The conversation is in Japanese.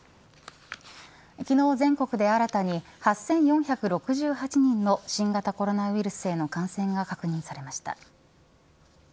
昨日、全国で新たに８４６８人の新型コロナウイルスへの感染が確認されました。